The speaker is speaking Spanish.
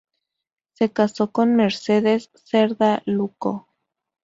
Se casó con Mercedes Cerda Luco.